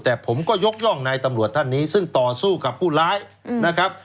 แต่ผมก็ยกย่องนายตำรวจท่านนี้ซึ่งต่อสู้กับผู้ร้ายนะครับ